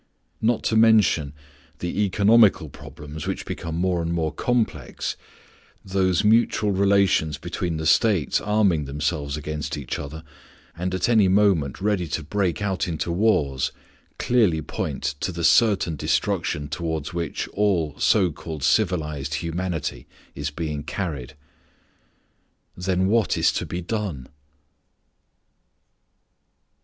Not to mention the economical problems which become more and more complex, those mutual relations between the States arming themselves against each other and at any moment ready to break out into wars clearly point to the certain destruction toward which all so called civilized humanity is being carried. Then what is to be done?